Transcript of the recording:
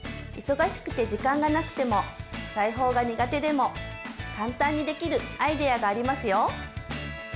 忙しくて時間がなくても裁縫が苦手でも簡単にできるアイデアがありますよ。